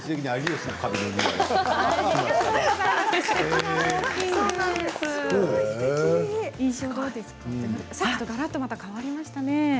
さっきとがらっと変わりましたね。